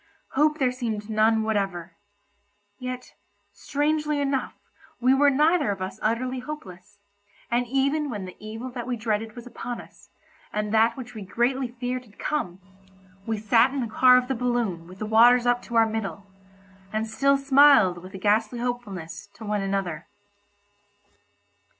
Hope there seemed none whatever—yet, strangely enough we were neither of us utterly hopeless, and even when the evil that we dreaded was upon us, and that which we greatly feared had come, we sat in the car of the balloon with the waters up to our middle, and still smiled with a ghastly hopefulness to one another.